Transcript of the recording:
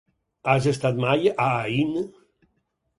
Has estat mai a Aín?